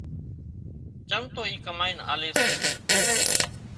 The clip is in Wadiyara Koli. چم تواِي ڪمائينَ آلي سي